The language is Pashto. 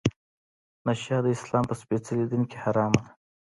نشه د اسلام په سپیڅلي دین کې حرامه ده.